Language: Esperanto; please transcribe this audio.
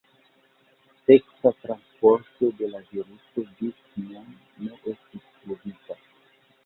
Seksa transporto de la viruso ĝis nun ne estis pruvita.